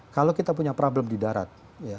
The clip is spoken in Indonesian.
kalau kita punya problem di darat